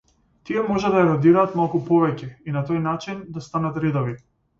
Тие може да еродираат малку повеќе и, на тој начин, да станат ридови.